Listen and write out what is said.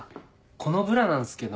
このブラなんすけど。